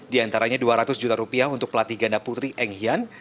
di antaranya dua ratus juta rupiah untuk pelatih ganda putri eng hian